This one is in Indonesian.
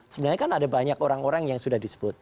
sebenarnya kan ada banyak orang orang yang sudah disebut